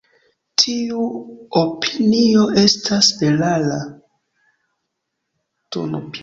Tiu opinio estas erara.